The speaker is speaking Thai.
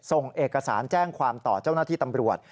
ส่งเอกสารแจ้งความต่อเจ้าหน้าที่ตำรวจ